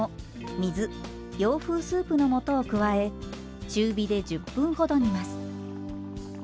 水洋風スープの素を加え中火で１０分ほど煮ます。